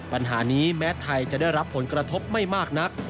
ปัญหานี้แม้ไทยจะได้รับผลกระทบไม่มากนัก